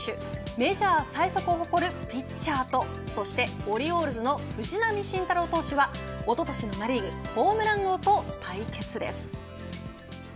メジャー最速を誇るピッチャーとそして、オリオールズの藤浪晋太郎投手はおととしのナ・リーグホームラン王と対決です。